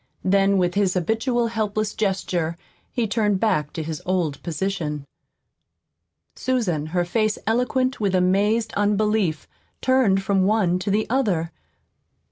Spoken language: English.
Then, with his habitual helpless gesture, he turned back to his old position. Susan, her face eloquent with amazed unbelief, turned from one to the other.